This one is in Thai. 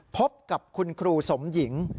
พบกับคุณครูสมหญิง